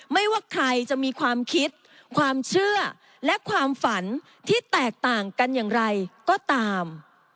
ไม่ว่าใครจะมีความคิดความเชื่อและความฝันที่แตกต่างกันอย่างไรก็ตาม